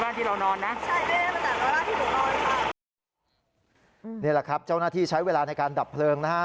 นี่แหละครับเจ้าหน้าที่ใช้เวลาในการดับเพลิงนะฮะ